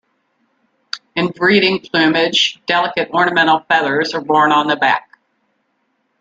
In breeding plumage, delicate ornamental feathers are borne on the back.